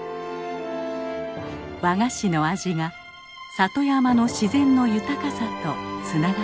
和菓子の味が里山の自然の豊かさとつながっています。